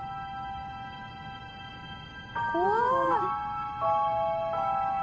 怖い！